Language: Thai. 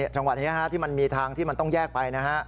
จังหวะนี้ที่มันมีทางที่มันต้องแยกไปนะฮะ